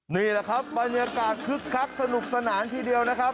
นี่แหละครับบรรยากาศคึกคักสนุกสนานทีเดียวนะครับ